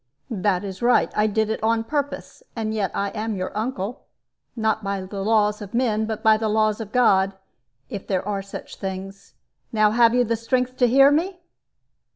"That is right. I did it on purpose. And yet I am your uncle. Not by the laws of men, but by the laws of God if there are such things. Now, have you the strength to hear me?"